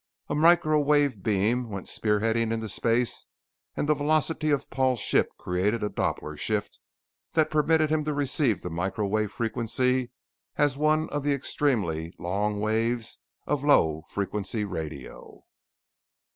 A micro wave beam went spearheading into space, and the velocity of Paul's ship created a Doppler shift that permitted him to receive the micro wave frequency as one of the extremely long waves of low frequency radio.